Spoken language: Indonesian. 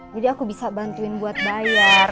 jadi aku bisa bantuin buat bayar